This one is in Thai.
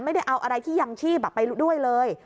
ไม่ได้เอาอะไรที่ยังชีพไปด้วยเลย